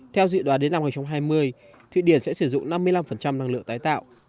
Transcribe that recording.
theo dự đoán đến năm hai nghìn hai mươi thụy điển sẽ sử dụng năm mươi năm năng lượng tái tạo